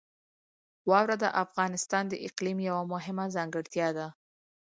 واوره د افغانستان د اقلیم یوه مهمه ځانګړتیا ده.